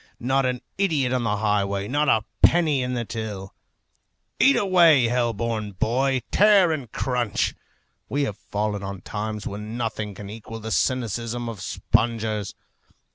Not an idiot on the highway, not a penny in the till. Eat away, hell born boy! Tear and crunch! We have fallen on times when nothing can equal the cynicism of spongers.